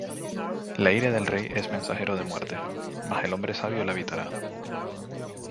La ira del rey es mensajero de muerte: Mas el hombre sabio la evitará.